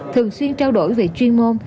thường xuyên trao đổi về chuyên môn